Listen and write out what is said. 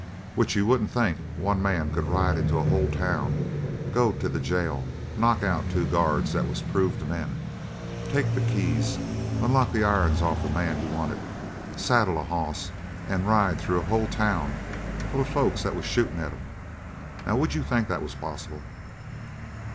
Which you wouldn't think one man could ride into a whole town, go to the jail, knock out two guards that was proved men, take the keys, unlock the irons off'n the man he wanted, saddle a hoss, and ride through a whole town full of folks that was shootin' at him. Now, would you think that was possible?"